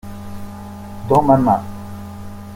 Dans ma main.